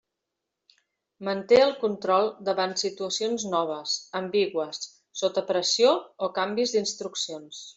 Manté el control davant situacions noves, ambigües, sota pressió o canvis d'instruccions.